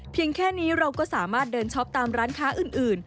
แค่นี้เราก็สามารถเดินช็อปตามร้านค้าอื่น